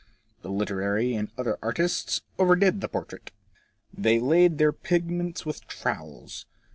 The literary and other artists over did the portrait. They laid on their pigments with trowels.